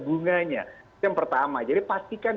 bunganya itu yang pertama jadi pastikan